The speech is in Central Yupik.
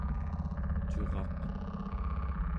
curaq²